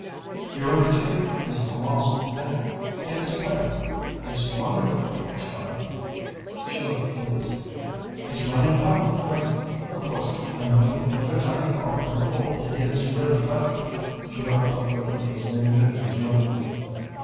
"Your undertaking is a colossal thing, in its way. It's wonderful of you, Char!" She looked pleased. "It's running well at present. Of course, I know what a tiny part of the whole it is really, but " She broke off quickly as Lady Vivian joined them.